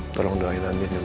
tolong doain andi ya ma